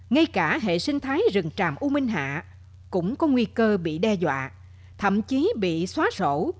ngay cả hệ sinh thái rừng tràm u minh hạ cũng có nguy cơ bị đe dọa thậm chí bị xóa sổ